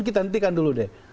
kita nantikan dulu deh